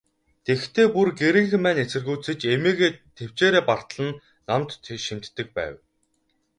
Тэгэхдээ, бүр гэрийнхэн маань эсэргүүцэж, эмээгээ тэвчээрээ бартал нь номд шимтдэг байв.